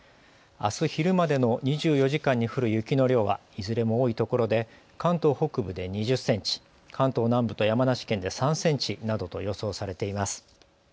あす昼までの２４時間に降る雪の量はいずれも多いところで関東北部で２０センチ、関東南部と山梨県で３センチなどと予想されています。